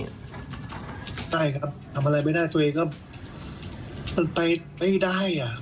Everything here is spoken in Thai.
ใช่ครับทำอะไรไม่ได้ตัวเองก็มันไปไม่ได้อ่ะ